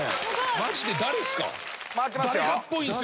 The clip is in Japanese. マジで誰っすか？